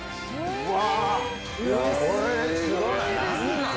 うわ！